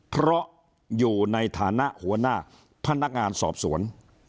เพราะอยู่ในฐานะหัวหน้าพนักงานสอบสวน